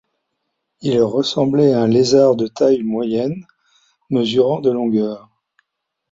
Il ressemblait à un lézard de taille moyenne, mesurant de longueur.